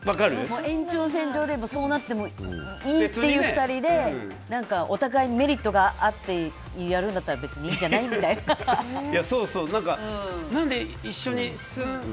延長線上でそうなってもいいっていう２人でお互いにメリットがあってやるんだったら別にいいんじゃないみたいな。